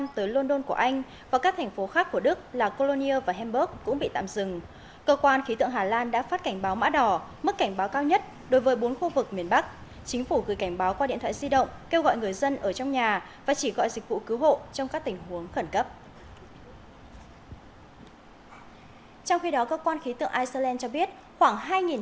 trong khi đó các quan khí tượng iceland cho biết khoảng hai hai trăm linh trận động đất đã được ghi nhận